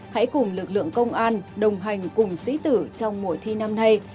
hãy cùng lực lượng công an đồng hành cùng sĩ tử trong mùa thi năm nay